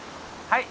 はい。